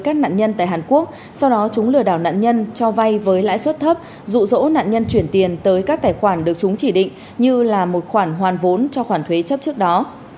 các nạn nhân tại hàn quốc sau đó chúng lừa đảo nạn nhân cho vay với lãi suất thấp rụ rỗ nạn nhân chuyển tiền tới các tài khoản được chúng chỉ định như là một khoản hoàn vốn cho khoản thuế chấp trước đó